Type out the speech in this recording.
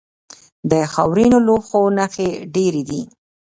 د خاورینو لوښو نښې ډیرې دي